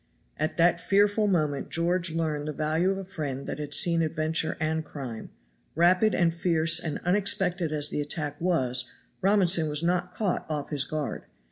At that fearful moment George learned the value of a friend that had seen adventure and crime; rapid and fierce and unexpected as the attack was, Robinson was not caught off his guard.